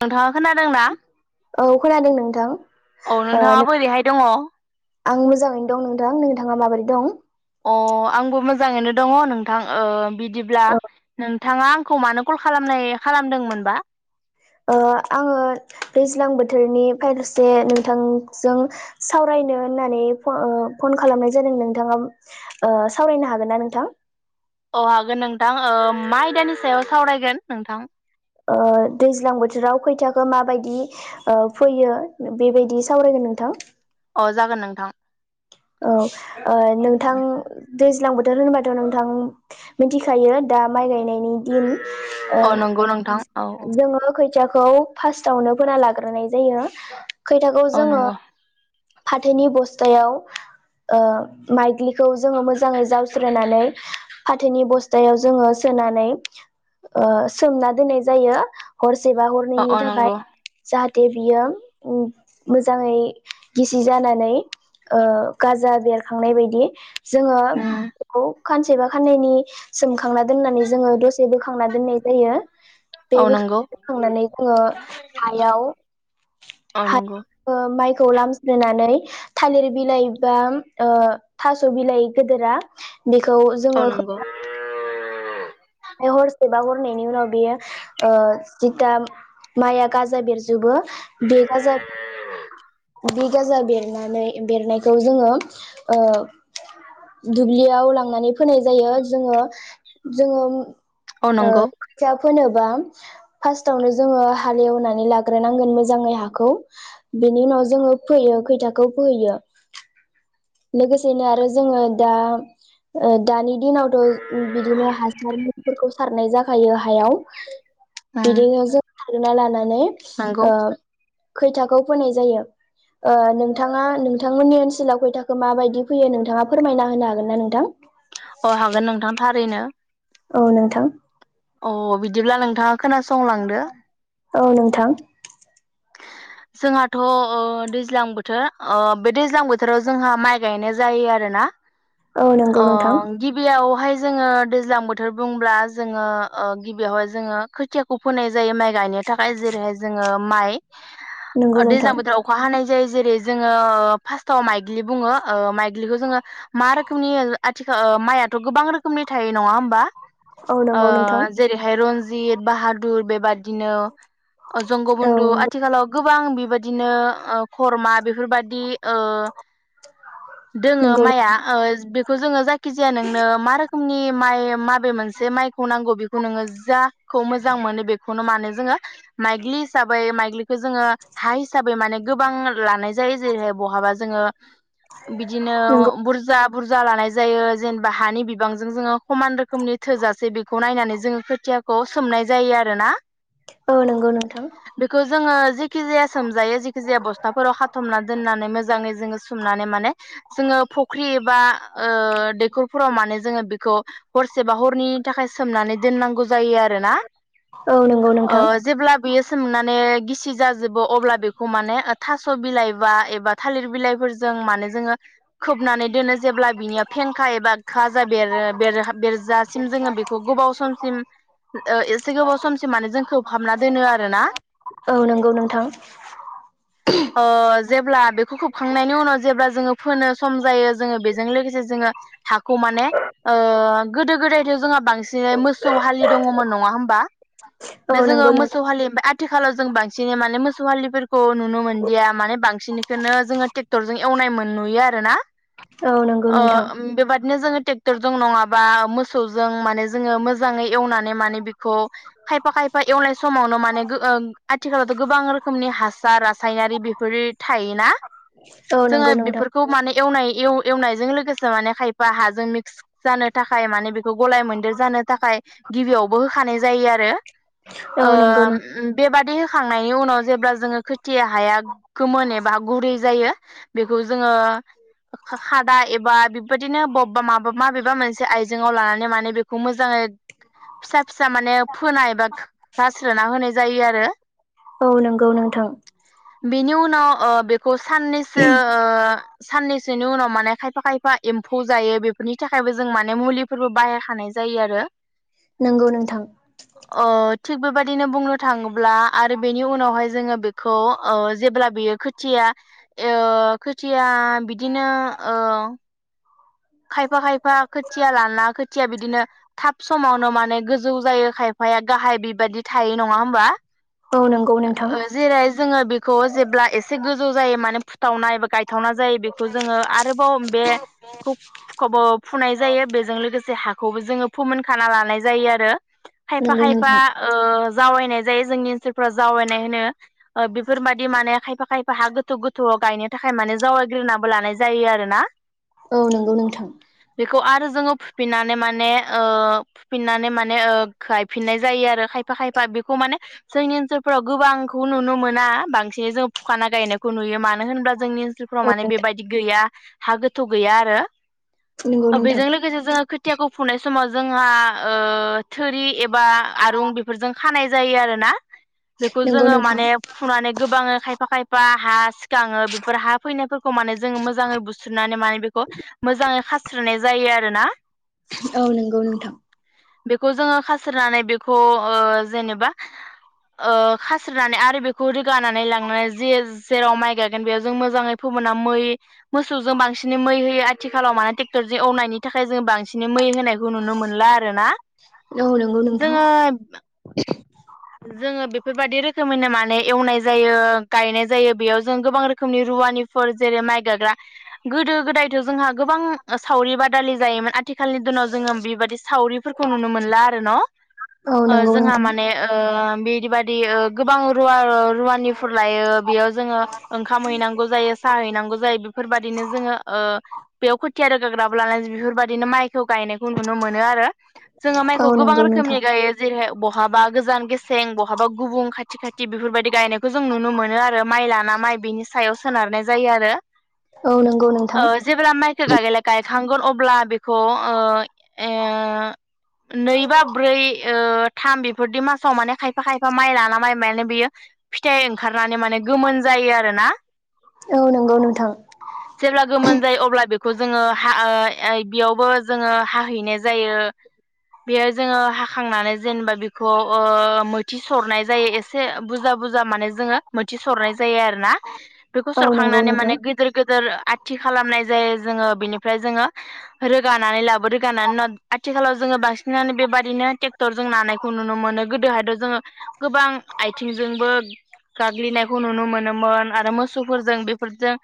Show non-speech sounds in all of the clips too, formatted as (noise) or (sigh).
नोंथाङा खोनादोंना? औ खोनादों नोंथां। औ ओ नोंथाङा बोरैहाय दङ? आं मोजाङैनो दं नोंथां। नोंथाङा माबोरै दं? अ आंबो मोजाङैनो दङ नोंथां ओ बिब बिदिब्ला नों। नोंथाङा आंखौ मानो कल खालामनाय खालामदोंमोनबा? आङो दैज्लां बोथोरनि फारसे नोंथांजों सावरायनो होननानै ओ फन खालामनाय जादों नोंथाङा ओ सावरायनो हागोनना नोंथां। अ हागोन नों थां ओ मा आइदानि सायाव सावरायगोन नोंथां। ओ दैज्लां बोथोराव खोथियाखौ मा बायदि ओ फैयो बेबायदि सावरायगोन नोंथां। अ जागोन नोंथां। औ। ओ नोंथां। दैज्लां बोथोर होनबाथ नोंथां मिथिखायो दा माइ गायनायनि नि अ नंगौ नोंथां दिन औ औ जोङो खो खोथियाखौ फास्टावनो फोना लाग्रोनाय जायो। खैथाखौ औ जोङो नंगौ फाथोनि बस्थायाव ओ माइज्लिखौ जोङो मोजाङै जावस्रोनानै फाथोनि बस्थायाव जोङो सोनानै सोमना दोननाय जायो हरसे जे बा अ हरनैयनि अ थाखाय नंगौ जाहा दे बियो मोजाङै गिसि जानानै ओ गाजा बेरखांनाय बायदि। जोङो उम बेखौ सानसेबा साननैयनि सोम खांना दोननानै जोङो दसे बोखांना दोननाय जायो बे औ नंगौ बोखांनानै जोङो हायाव औ हा नंगौ माइ खौ लामस्रोनानै थालिर बिलाइ बा ओ थास बिलाइ गिदिरा बेखौ औ जोङो नंगौ खोबनानै दोननाय (unintelligible) बा हरनायनि उनाव बेयो ओ जिथा माइआ गाजा बेरजोबो बे गोजा बे गाजा बेरनानै बेरनायखौ जोङो ओ दुब्लियाव लांनानै फोनाय जायो जोङो - जोङो औ ओ नंगौ खोथिया फोनोबा फार्स्टआवनो जोङो हाल एवनानै लाग्रोनांगोन मोजाङै हाखौ बिनि उनाव जोङो फोयो खैथाखौ फोओयो। लोगोसेनो आरो जोङो दा ओ दानि दिनावथ बिदिनो हासारफोरखौ सारनाय जाखायो हायाव। उम बिदिनो जों (unintelligible) नै नंगौ ओ खैथाखौ फोनाय जायो ओ नोंथाङा नोंथांमोननि ओनसोलाव खैथाख माबायदि फैयो नोंथाङा फोरमायना होनो हागोन ना नोंथां? अ हागोन नोंथां थारैनो औ नोंथां अ बिदिब्ला नोंथाङा खोनासंलांदो औ नोंथां। जोंहाथ ओ दैज्लां बोथोर ओ बे दैज्लां बोथोराव जोंहा माइ गायनो जायो आरो ना। औ नंगौ अ नोंथां गिबियावहाय जोङो दैज्लां बोथोर बुंब्ला जोङो ओ गिबियावहाय जोङो खोथियाखौ फोनाय जायो माइ गायनो थाखाय जेरैहाय जोङो माइ नंगौ नोंथां दैज्लां बोथोराव अखा हानाय जायो। जेरै जोङो ओ फार्स्टआव माइग्लि बुङो। ओ माइग्लिखौ जोङो मा रोखोमनि आथिखा माइआथ गोबां रोखोमनि थायो नङा होमबा? औ ओ नंगौ नोंथां जेरैहाय रन्जित बाहादुर बे बिदिनो जंग औ बन्दु नंगौ आट आथिखालाव गोबां बेबायदिनो ओ खरमा बेफोरबायदि ओ दोङो नंगौ माइया ओ बेखौ जोङो जायखिजाया नोंनो मा रो फुंनि माइ माबा बे मोनसे माइखौ नांगौ बेखौ नोङो जाखौ मोजां मोनो बेखौ खौनो मानो जोङो माइग्लि हिसाबै माइग्लि जोङो हा हिसाबै माने गोबां लानाय जा जायो जेरैहाय बहाबा जोङो बिदिनो नंगौ बुरजा बुरजा लानाय जायो जेनेबा हानि बिबांजों जोङो समान रोखोमनि थोजासे बेखौ नायनानै जोङो खोथियाखौ सोमनाय जायो आरोना। औ नोंगौ नोंथां। बेखौ जोङो जेखि जाया सोमजायो जेखि जाया बस्थाफोराव खाथबना दोननानै मोजाङै जोङो सोमनानै माने जोङो फुख्रि एबा ओ दैखरफोराव माने जोङो बेखौ। हरसेबा हरनैनि थाखाय सोमनानै दोननांगौ जायो आरोना औ नंगौ ओ नोंथां जेब्ला बेयो सोमनानै। गिसि जाजोबो अब्ला बेखौ माने थास' बिलाइ बा एबा थालिर बिलाइफोरजों माने जोङो खोबनानै दोनो जेब्ला बिनियाव फेंखा एबा खाजा बेरो बेर-बेरजासिम जोङो बेखौ गोबाव समसिम ओ एसे गोबाव समसिम माने जों खो खोबहाबना दोनो आरोना। औ नंगौ नोंथां। ओ जेब्ला बेखौ खोबखांनायनि उनाव जेब्ला जोङो फोनो सम जायो जोङो बेजों लोगोसे जोङो हाखौ माने ओ गोदो गोदायथ' जोंहा बांसिनै मोसौ हालि दङमोन नङा होमबा? औ बे जोङो नंगौ मोसौ नोंथां हालि थिखालाव जों बांसिनै माने मोसौ हालिफोरखौ। नुनो मोनदिया माने बांसिनखौनो जोङो ट्रेक्टरजों एवनाय मोन नुयो आरोना औ नंगौ नोंथां ओ बेबादिनो जोङो ट्रेक्टरजों नङाबा। मोसौजों माने जोङो मो मोजाङै एवनानै माने बिखौ खायफा खायफा एवनाय समावनो माने गो ओं आथिखालावथ गोबां रोखोमनि हासार रासायनारि बेफोर थायोना औ जोङो नंगौ नोंथां बेफोरखौ माने एवनाय एव एवनायजों लोगोसे माने खायफा हाजों मिक्स जानो थाखाय माने बेखौ गलाय मोनदेर जानो थाखाय गिबियावबो होखानाय जायो आरो औ ओ नंगौ उम बेबा बे होखांनायनि उनाव जेब्ला जोङो खोथिया हाया गोमोन एबा गुरै जायो बेखौ जोङो खा खादा एबा बेबायदिनो बबेबा माबा माबेबा मोनसे आइजेङाव लानानै माने बेखौ मोजाङै फिसा फिसा माने फोनाय बा गारस्रोना होनाय जायो आरो। औ नोंगौ नोंथां। बेनि उनाव ओ बे खौ साननैसो ओ। साननैसोनि उनाव माने खायफा खायफा एम्फौ जायो बे बिनि थाखायबो जों माने मुलि फोरबो बाहाय खानाय जायो आरो नंगौ नोंथां। ओ थिग बेबायदिनो बुंनो थाङोब्ला। आरो बेनि उनावहाय जोङो बेखौ ओ जेब्ला बेयो खोथिया ओ खोथिया बिदिनो ओ खायफा खायफा खोथिया लाना खोथिया बिदिनो थाब समावनो माने गोजौ जायो खायफाया गाहाय बिबायदि थायो नङा होमबा? औ नंगौ नोंथां ओ जेरै जोङो बेखौ जेब्ला एसे गोजौ जायो माने फुथावनाय बा गायथावना जायो बेखौ जोङो आरोबाव बे खौ खौबो फुनाय जायो बेजों लोगोसे हाखौबो जोङो फोमोन खाना लानाय जायो आरो खायफा नंगौ खायफा नोंथां ओ जावायनाय जायो जोंनि ओनसोल फोराव जावैनाय होनो बेफोरबाददि माने खायफा खायफा हा गोथौ गोथौआव गायनो थाखाय माने जावग्रोनाबो लानाय जायो आरोना औ नंगौ नोंथां। बेखौ आरो जोङो फुफिननानै माने ओ फुफिननानै माने ओ गायफिननाय जायो आरो खायफा खायफा बेखौ माने जोंनि ओनसोलफोराव गोबांखौ नुनो मोना बांसिनै जोङो फुखाना गायनायखौ नुयो मानो होनोबा जोंनि ओनसोलफोराव औ माने नोंथां बेबायदि गैया हा गोथौ गैया आरो‌ नंगौ ओ नोंथां बेजों लोगोसे जोङो खोथियाखौ फुनाय समाव जोंहा ओ थोरि एबा आरुं बेफोरजों खानाय जायो आरोना। बेखौ नंगौ जोङो नोंथां माने फुनानै गोबाङो खायफा खायफा हा सिखाङो बेफोर हा फैनायफोरखौ माने जोङो मोजाङै बुस्रुनानै माने बेखौ मोजाङै खास्रिनाय जायो आरो ना। औ नंगौ नोंथां। बेखौ जोङो खास्रिनानै बेखौ ओ जेनेबा ओ खास्रिनानै आरो बेखौ रोगानानै लांनानै जे जेराव माइ गायगोन बेयाव जों मोजाङै फोमोना मै मोसौजों बांसिनै मै होयो आ आथिखालाव माने ट्रेक्टरजों एवनायनि थाखाय जोङो बांसिन मै होनायखौ नुनो मोनला आरोना। औ नंगौ नोंथां जोङो जोङो बेफोरबादि रो रोखोमैनो माने एवनाय जायो, गायनाय जायो, बेयाव जों गोबां रोखोमनि रुवानिफोर जेरै माइ गायग्रा गोदो गोदायथ' जोंहा गोबां सावरि बादालि जायोमोन आ आथिखालनि दिनाव जोङो बेबादि सावरिफोरखौ नुनो मोनला आरो न? औ ओ नंगौ जोंहा नोंथां माने ओ बायदि बायदि गोबां रुवा रुवानिफोर लायो बेयाव जोङो ओंखाम हैनांगौ जायो, साहा हैनांगौ जायो, बेफोरबायदिनो जोङो ओ बेयाव खोथिया रोगाग्राबो लानानै बेफोरबायदिनो माइखौ गायनायखौ नुनो मोनो आरो, जोङो माइखौ औ गोबां नंगौ नोंथां रोखोमनि गायो जेरैहाय बहाबा गोजान गेसें बहाबा गुबुन खाथि खाथ बेफोरबायदि गायनायखौ जों नुनो मोनो आरो माइ लाना माइ बेनि सायाव सोनारनाय जायो आरो औ नंगौ ओ नोंथां (unintelligible) गायखांगोन अब्ला बेखौ ओ ओ नै बा ब्रै ओ थाम बि फोरदि मासाव माने खायफा खायफा माइ लाना माइ माने बियो फिथाइ ओंखारनानै माने गोमोन जायो आरोना औ नोंगौ नोंथां। जेब्ला गोमोन जायो अब्ला बेखौ जोङो हा ओ ओइ बेयावबो जोङो हाहैनाय जायो बेयो जोङो हाखांनानै जेनेबा बेखौ ओ मैथि सरनाय जायो एसे बुजा बुजा माने जोङो मोथि सरनाय जायो आरो ना बेखौ औ नंगौ सरखांनानै नोंथां माने गोदिर गोदोर आथि खालामनाय जायो जोङो बिनिफ्राय जोङो रोगानानै लाब रोगानायनि उनाव आथिखालाव जोङो बांसिनानो बेबायदिनो ट्रेक्टरजों नानायखौ नुनो मोनो गोदोहायथ ' जोङो गोबां आथिंजोंबो गाग्लिनायखौ नुनो मोनो मोन आरो मोसौफोरजों (unintelligible) जों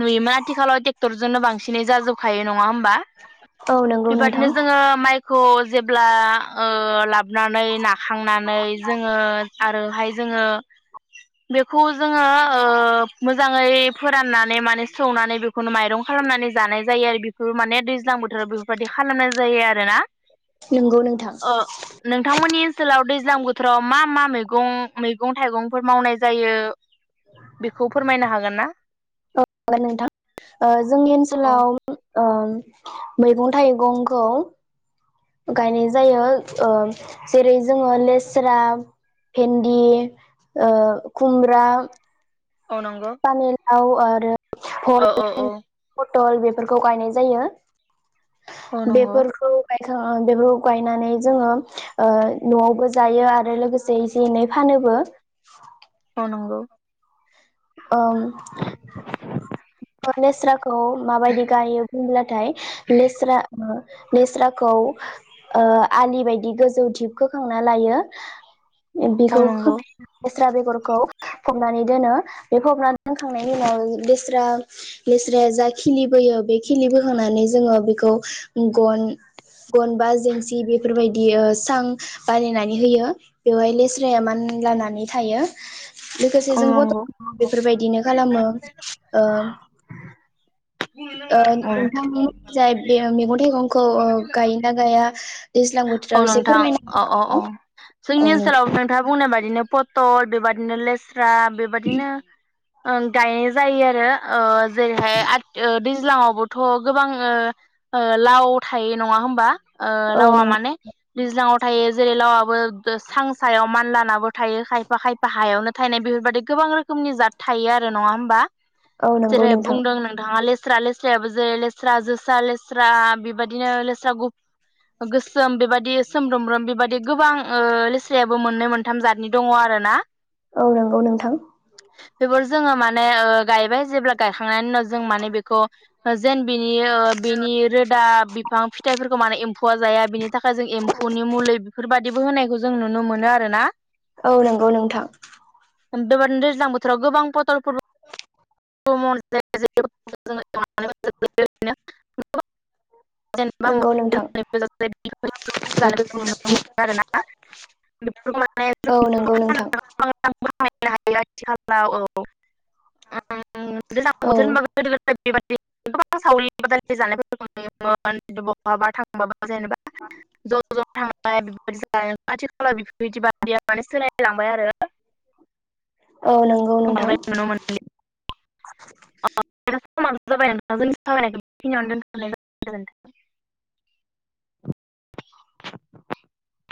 नुयोमोन आथिखालाव टेक्ट क्टरजोनो बांसिनै जाजोबखायो नङा होमबा औ नंगौ बेबायदिनो नोंथां जोङो माइ खौ जेब्ला ओ लाबोनानै नाखांनानै जोङो आरोहाय जोङो बेखौ जोङो ओ मोजाङै फोराननानै मान सौवनानै बेख खुनु माइरं खालामनानै जानाय जायो आरो बेखौ माने दैज ज्लां बोथोराव बेफोरबायदि खालामनाय जायो आरोना नंगौ नोंथां ओ नोंथांमोननि ओनसोलाव दैज्लां बोथोराव मा मा मैगं मैगं थाइगंफोर मावनाय जायो। बेखौ फोरमायनो हागोन ना? औ नोंथां ओ जोंनि औ ओनसोलाव ओ मैगं थाइगंखौ गायनाय जायो ओ जेरै जोङो लेस्रा भेन्दि ओ खुमब्रा अ नंगौ। औ आरो ओ ओ औ टल बेफोरखौ गायनाय जायो। औ नंगौ बेफोरखौ बाय ओ बेखौ गायनानै जोङो ओ न'आवबो जायो आरो लोगोसे एसे एनै फानोबो। औ नंगौ ओं। गायो बुंब्लाथाय लेस्रा लेस्राखौ ओ आलि बायदि गोजौ धिप खोखांना लायो बेखौ औ (unintelligible) नंगौ द्रा बेगरखौ फबनानै दोनो बे फबनानै दोनखांनायनि उनाव दैस्रा लेस्राया जा खिलिबोयो बे खिलि बोखांनानै जोङो बेखौ गन गन बा जोंसि बेफोरबायदि ओ सां बानायनानै होयो बेवहाय लेस्राया मानलानानै थायो। लोगोसे औ जों नंगौ (unintelligible) बेफोरबायदिनो खालामो ओम ओ औ नोंथांनि जाय बे मैगं थाइगंखौ गायोना गाया दैज्लां औ बोथोराव एसे नोंथां फोरमायना औ औ औ हो। जोंनि औ नोंथां ओनसोलाव नोंथाङा बुंनाय बायदिनो पटल बेबायदिनो लेस स्रा बेबादिनो ओं गायनाय जायो आरो ओ जेरै हाय आत ओ दैज्लाङावबोथ गोबां ओ ओ लाव थायो नङा होमबा? ओ औ लाव आ नंगौ दैज्लाङाव थायो जेरै लावाबो जोस्रां सायाव मानलानाबो थायो खायफा खायफा हायावनो थायनाय बेफोरबायदि गोबां रोखोमनि जाथ थायो आरो नङा होमबा औ नंगौ जेरै नोंथां बुंदों नोंथाङा लेस स्रा लेस्रायाबो जेरै लेस्रा जोसा लेस्रा बेबायदिनो लेस्रा गुफ गोस सोम बेबायदि सोमब्रोमब्रोम बेबायदि गोबां लेस्रायाबो मोननै मोनथाम जादनि दङ आरोना औ नंगौ नोंथां बेफोर जोङो माने ओ गायबाय जेब्ला गायखांनायनि उनाव जों माने बेखौ जेन बिनि ओ बिनि रोदा बिफां फिथाइफोरखौ माने एम्फौआ जाया बिनि थाखाय जों एम्फौनि मुलि बेफोरबायदिबो होनायखौ जों नु नो मोनो आरो ना औ नंगौ नोंथां (unintelligible) दैज्लां बोथोराव गोबां पथलफोर (unintelligible) जेनबा (unintelligible) नंगौ (unintelligible) नोंथां आरो ना (unintelligible) बेफोर माने औ नंगौ नोंथां फाहायनो हायो आथिखालाव औ ओ आं गोजां औ बोथोर होनबो गोदो गोदय बेबादि गोबां सावलि बादालि जानायफोरखौ नुयोमोन बहाबा थांबाबा जेनेब ज ज थांबाय बेफोबादि जानो आथिखालाव बेफोरबायदि बादिया माने सोलायलांबाय आरो औ नंगौ नोंथां बुंबावनाय नुनो मोन (unintelligible) (unintelligible)